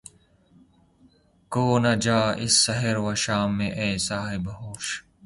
کھو نہ جا اس سحر و شام میں اے صاحب ہوش